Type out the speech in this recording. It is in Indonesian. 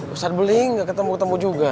besar beli nggak ketemu ketemu juga